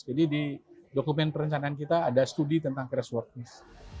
jadi di dokumen perencanaan kita ada studi tentang crashworthiness